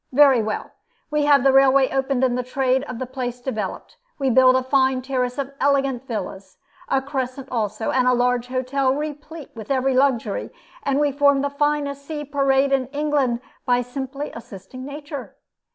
Very well: we have the railway opened and the trade of the place developed. We build a fine terrace of elegant villas, a crescent also, and a large hotel replete with every luxury; and we form the finest sea parade in England by simply assisting nature.